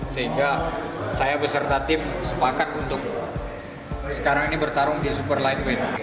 sehingga saya beserta tim sepakat untuk sekarang ini bertarung di super lightweight